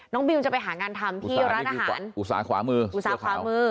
บิวจะไปหางานทำที่ร้านอาหารอุสาขวามืออุตสาขวามือ